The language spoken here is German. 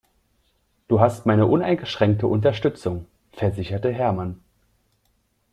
Du hast meine uneingeschränkte Unterstützung, versicherte Hermann.